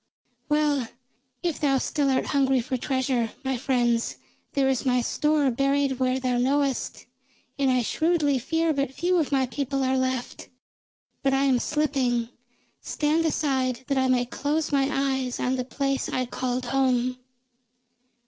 "Well, if thou still art hungry for treasure, my friends, there is my store buried where thou knowest, and I shrewdly fear but few of my people are left. But I am slipping. Stand aside, that I may close my eyes on the place I called home."